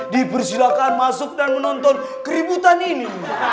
dipersilakan masuk dan menonton keributan ini